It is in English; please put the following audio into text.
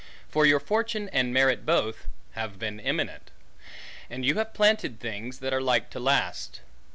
For your Fortune, and Merit both, have been Eminent. And you have planted Things, that are like to last.